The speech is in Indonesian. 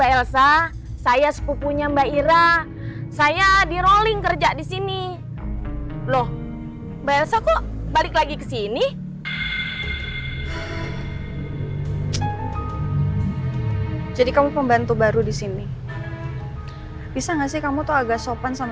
enggak baik mas